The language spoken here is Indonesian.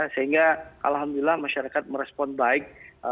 sehingga alhamdulillah masyarakat merespon baik